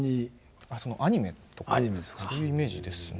アニメとかそういうイメージですね。